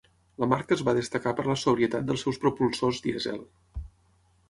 La marca es va destacar per la sobrietat dels seus propulsors dièsel.